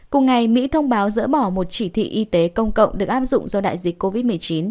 cùng ngày mỹ thông báo dỡ bỏ một chỉ thị y tế công cộng được áp dụng do đại dịch covid một mươi chín